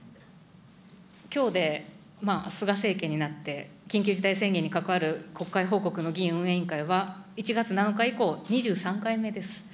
きょうで菅政権になって、緊急事態宣言に関わる国会報告の議院運営委員会は、１月７日以降、２３回目です。